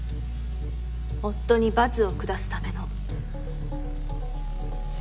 夫に罰を下すための。